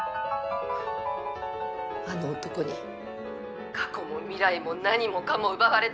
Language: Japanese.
あの男に過去も未来も何もかも奪われたのに